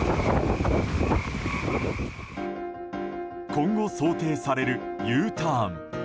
今後想定されるＵターン。